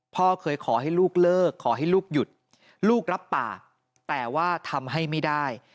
พ่อเคยขอให้ลูกเลิกขอให้ลูกหยุดลูกรับปากแต่ว่าทำให้ไม่ได้